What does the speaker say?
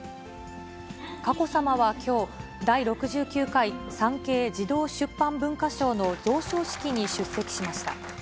佳子さまはきょう、第６９回産経児童出版文化賞の贈賞式に出席しました。